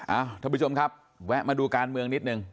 ท่านผู้ชมครับแวะมาดูการเมืองนิดนึง